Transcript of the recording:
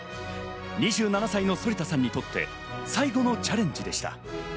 ２７歳の反田さんにとって最後のチャレンジでした。